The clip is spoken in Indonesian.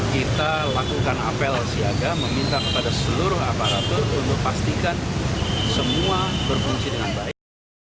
kita lakukan apel siaga meminta kepada seluruh aparatur untuk pastikan semua berfungsi dengan baik